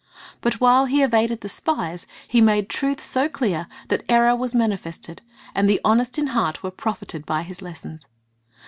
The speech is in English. But while He evaded the spies. He made truth so clear that error was manifested, and the honest in heart were profited by His lessons.